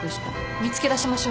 見つけ出しましょう。